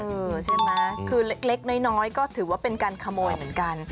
ใช่ไหมคือเล็กน้อยก็ถือว่าเป็นการขโมยเหมือนกัน